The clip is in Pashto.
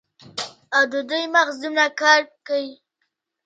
او د دوي مغـز دومـره کـار کـوي.